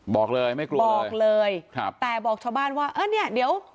บอกเลยไม่กลัวบอกเลยครับแต่บอกชาวบ้านว่าเออเนี้ยเดี๋ยว